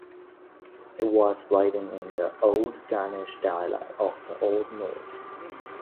It was written in the Old Gutnish dialect of Old Norse.